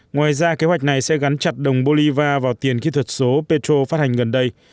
ngoài ra kế hoạch này sẽ gắn chặt đồng bolivar vào tiền kỹ thuật số petro phát hành gần đây